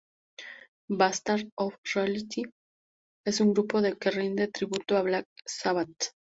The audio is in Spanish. Bastard Of Reality es un grupo que rinde tributo a Black Sabbath.